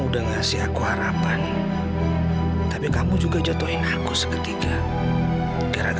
dan kamu bu hera